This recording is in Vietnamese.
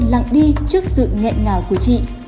lặng đi trước sự nghẹn ngào của chị